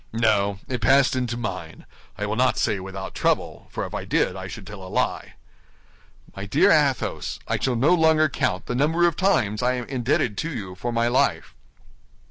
"No, it passed into mine; I will not say without trouble, for if I did I should tell a lie." "My dear Athos, I shall no longer count the number of times I am indebted to you for my life."